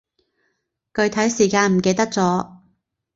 具體時間唔記得咗